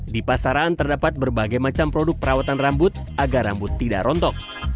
di pasaran terdapat berbagai macam produk perawatan rambut agar rambut tidak rontok